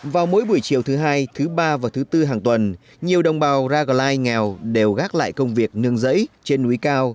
vào mỗi buổi chiều thứ hai thứ ba và thứ tư hàng tuần nhiều đồng bào raglai nghèo đều gác lại công việc nương giấy trên núi cao